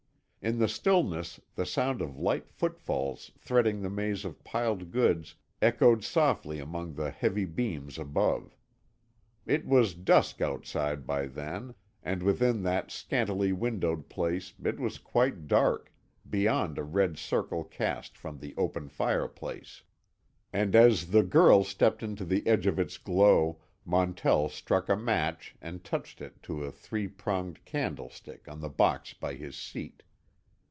In the stillness the sound of light footfalls threading the maze of piled goods echoed softly among the heavy beams above. It was dusk outside by then, and within that scantily windowed place it was quite dark, beyond a red circle cast from the open fireplace. And as the girl stepped into the edge of its glow Montell struck a match and touched it to a three pronged candlestick on the box by his seat.